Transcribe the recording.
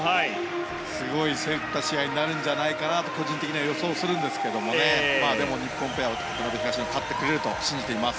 すごく競った試合になるんじゃないかなと個人的には予想するんですけど日本ペアが勝ってくれると信じています。